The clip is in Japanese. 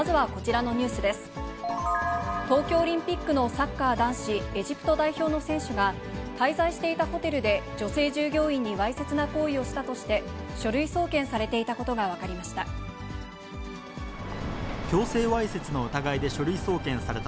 東京オリンピックのサッカー男子エジプト代表の選手が、滞在していたホテルで、女性従業員にわいせつな行為をしたとして、書類送検されていたことが分かりました。